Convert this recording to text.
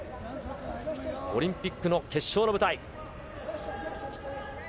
オリンピックの決勝の舞台。